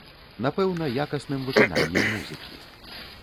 Напэўна, якасным выкананнем музыкі.